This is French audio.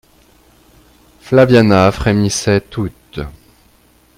Flaviana frémissait toute.